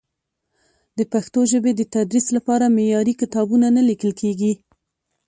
د پښتو ژبې د تدریس لپاره معیاري کتابونه نه لیکل کېږي.